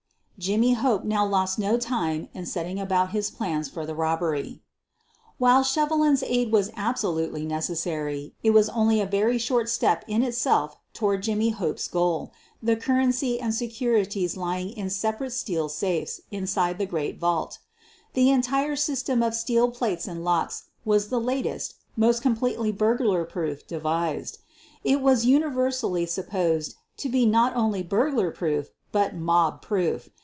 Jimmy Hope now lost no time in setting about his plans for the robbery. QUEEN OF THE BURGLARS 151 While Shevelin's aid was absolutely necessary, it vas only a very short step in itself toward Jimmy Hope's goal, the currency and securities lying in separate steel safes inside the great vault. The entire system of steel plates and locks was the lat est, most completely burglar proof devised. It was universally supposed to be not only burglar proof but mob proof.